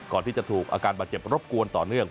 ก่อนที่จะถูกอาการบาดเจ็บรบกวนต่อเนื่อง